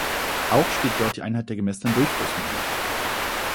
Auch steht dort die Einheit der gemessenen Durchflussmenge.